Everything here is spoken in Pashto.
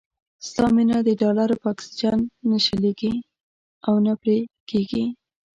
ستا مينه د ډالرو په اکسيجن نه شلېږي او نه پرې کېږي.